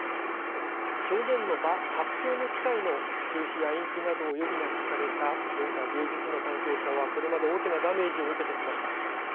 表現の場発表の機会の中止や延期などを余儀なくされた文化芸術の関係者はこれまで大きなダメージを受けてきました。